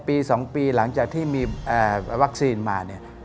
ปี๒ปีหลังจากที่มีวัคซีนมาเนี่ย